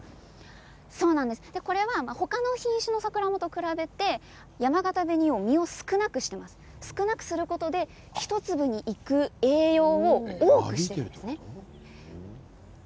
他の品種のサクランボに比べてやまがた紅王は実を少なくしているんです、少なくすることで１粒にいく栄養分を多くしているんですね。